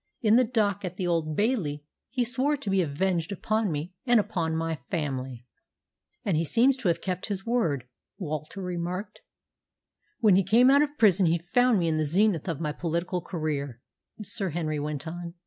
In the dock at the Old Bailey he swore to be avenged upon me and upon my family." "And he seems to have kept his word," Walter remarked. "When he came out of prison he found me in the zenith of my political career," Sir Henry went on.